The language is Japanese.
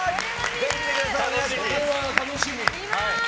これは楽しみ。